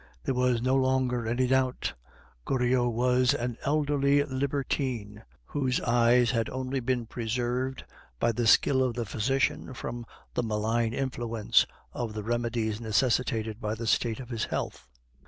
There was no longer any doubt. Goriot was an elderly libertine, whose eyes had only been preserved by the skill of the physician from the malign influence of the remedies necessitated by the state of his health.